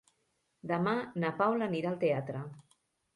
Demà na Paula anirà al teatre.